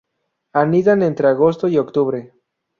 Anidan entre agosto y octubre.